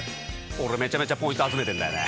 俺めちゃめちゃポイント集めてんだよね。